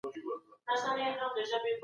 دا وسايل د راتلونکي نسل لپاره هم پکار دي.